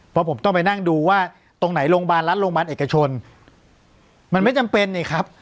เพราะผมต้องไปนั่งดูว่าตรงไหนโรงพยาบาลรัฐโรงพยาบาลเอกชนมันไม่จำเป็นนี่ครับ